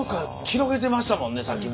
広げてましたもんねさっき。